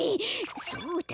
そうだ！